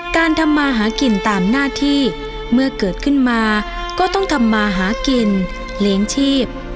การทำมาหากินตามหน้าที่เมื่อเกิดขึ้นมาก็ต้องทำมาหากินเลี้ยงชีพ